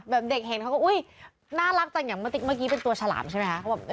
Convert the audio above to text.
เด็กเห็นเขาก็อุ๊ยน่ารักจังอย่างเมื่อกี้เป็นตัวฉลามใช่ไหมคะ